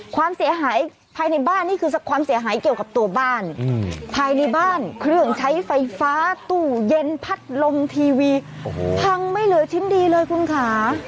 ความเสียหายภายในบ้านนี่คือความเสียหายเกี่ยวกับตัวบ้านภายในบ้านเครื่องใช้ไฟฟ้าตู้เย็นพัดลมทีวีโอ้โหพังไม่เหลือชิ้นดีเลยคุณค่ะ